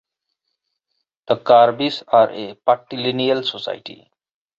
The Karbis are a Patrilineal society.